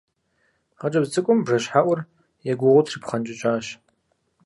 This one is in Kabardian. Хъыджэбз цӀыкӀум бжэщхьэӀур егугъуу трипхъэнкӀыкӀащ.